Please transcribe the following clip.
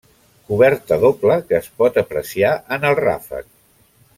Coberta doble que es pot apreciar en el ràfec.